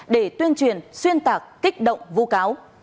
để tuyên truyền xuyên tạc kích động vu cáo